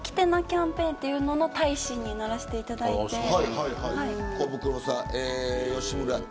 キャンペーンというのの大使にならせていただきました。